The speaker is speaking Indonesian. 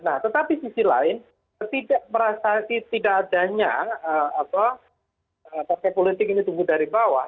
nah tetapi sisi lain tidak merasa tidak adanya partai politik ini tumbuh dari bawah